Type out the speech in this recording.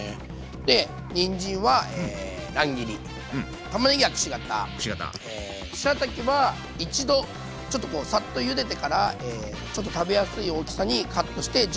でにんじんは乱切りたまねぎはくし形しらたきは一度ちょっとこうサッとゆでてからちょっと食べやすい大きさにカットして準備しときます。